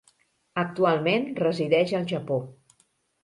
Actualment resideix al Japó.